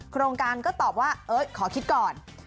โครงการก็ตอบว่าขอคิดก่อน